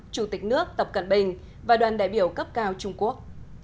chủ tịch nước tập cận bình và đoàn đại biểu cấp cao trung quốc